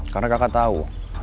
karena kakak tahu